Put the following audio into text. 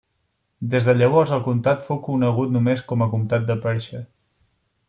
Des de llavors el comtat fou conegut només com a comtat de Perche.